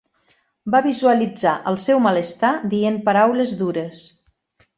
Va visualitzar el seu malestar dient paraules dures.